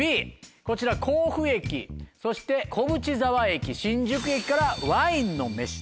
こちら甲府駅そして小淵沢駅新宿駅からワインのめし。